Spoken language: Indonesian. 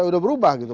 sudah berubah gitu